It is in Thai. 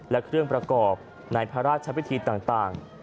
และเครื่องประกอบในพระราชพิธีต่าง